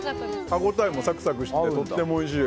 歯応えもサクサクしててとてもおいしい。